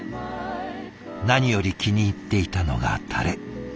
何より気に入っていたのがタレ。